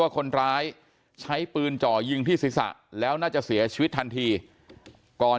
คนร้ายใช้ปืนจ่อยิงที่ศีรษะแล้วน่าจะเสียชีวิตทันทีก่อน